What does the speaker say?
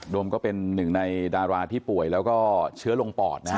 โมก็เป็นหนึ่งในดาราที่ป่วยแล้วก็เชื้อลงปอดนะฮะ